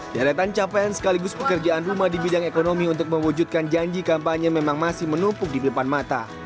deretan capaian sekaligus pekerjaan rumah di bidang ekonomi untuk mewujudkan janji kampanye memang masih menumpuk di depan mata